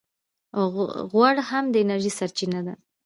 غوړ هم د انرژۍ سرچینه ده